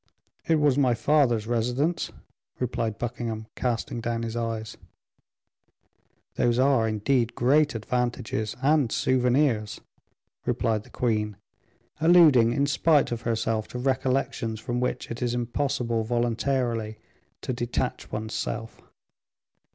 "It was my father's residence," replied Buckingham, casting down his eyes. "Those are indeed great advantages and souvenirs," replied the queen, alluding, in spite of herself, to recollections from which it is impossible voluntarily to detach one's self.